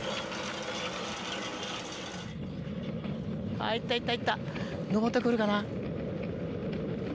あぁいったいったいった上ってくるかな？